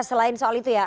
selain soal itu ya